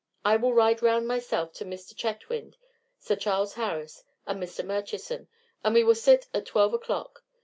I will ride round myself to Mr. Chetwynde, Sir Charles Harris, and Mr. Merchison, and we will sit at twelve o'clock.